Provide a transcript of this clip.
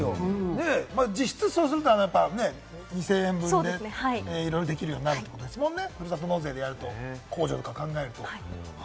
実質そうすると２０００円分でいろいろできるようになるってことですもんね、ふるさと納税でやると、控除を考えると。